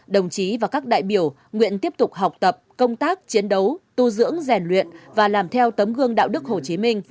đồng chí và các đại biểu nguyện tiếp tục học tập công tác chiến đấu tu dưỡng rèn luyện và làm theo tấm gương đạo đức hồ chí minh